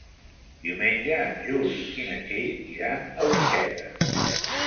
Diumenge en Juli i na Txell iran a Orxeta.